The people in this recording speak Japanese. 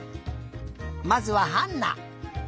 まずはハンナ。